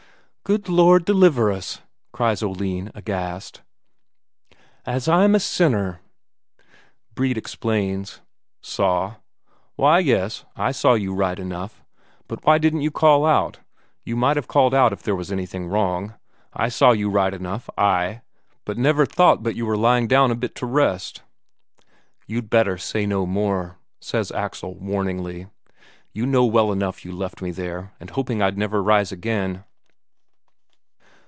"Good Lord, deliver us!" cries Oline, aghast. "As I'm a sinner...." Brede explains. "Saw? Why, yes, I saw you right enough. But why didn't you call out? You might have called out if there was anything wrong. I saw you right enough, ay, but never thought but you were lying down a bit to rest." "You'd better say no more," says Axel warningly. "You know well enough you left me there and hoping I'd never rise again."